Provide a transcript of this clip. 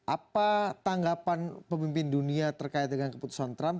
apa tanggapan pemimpin dunia terkait dengan keputusan trump